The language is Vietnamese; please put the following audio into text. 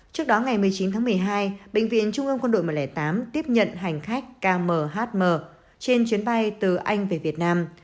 trước đó ngày một mươi chín tháng một mươi hai bệnh viện trung ương quân đội một trăm linh tám tiếp nhận hành khách kmhm trên chuyến bay từ anh về việt nam